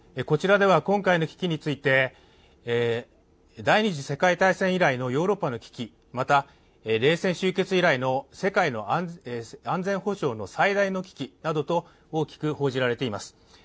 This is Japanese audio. こちらでは今回の危機について、第二次世界大戦中以来のヨーロッパの危機、また、冷戦終結以来の世界の安全保障の最大の危機などと大きく報じられています。